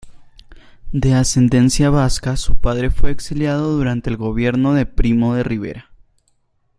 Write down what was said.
De ascendencia vasca, su padre fue exiliado durante el gobierno de Primo de Rivera.